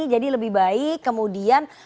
jadi lebih baik kemudian